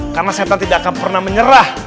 karena setan tidak akan pernah menyerah